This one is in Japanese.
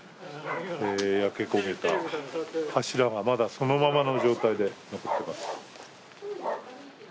焼け焦げた柱が、まだそのままの状態で残っています。